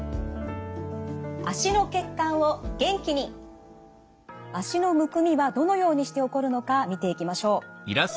脚のむくみはどのようにして起こるのか見ていきましょう。